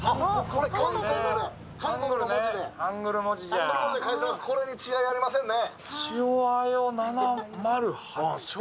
これに違いありませんね。